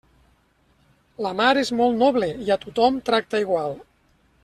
La mar és molt noble i a tothom tracta igual.